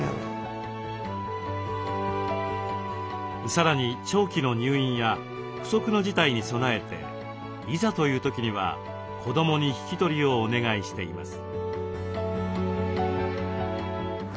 さらに長期の入院や不測の事態に備えていざという時には子どもに引き取りをお願いしています。